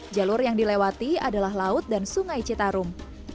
jalur yang dilewati adalah laut dan sungai citarum